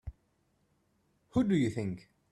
Who do you think?